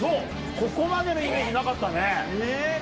ここまでのイメージなかったね。